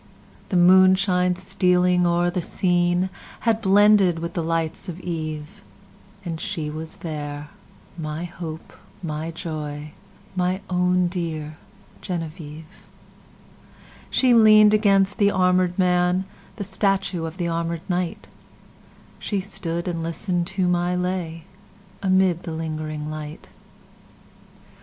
The moonshine stealing o'er the sceneHad blended with the lights of eve; And she was there, my hope, my joy, My own dear Genevieve! She lean'd against the armèd man, The statue of the armèd knight; She stood and listen'd to my lay, Amid the lingering light.